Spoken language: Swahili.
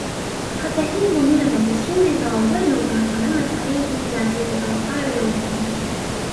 Hata hivyo mila na desturi za Wagweno zinafanana zaidi na zile za Wapare wengine